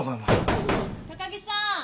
・・高木さん。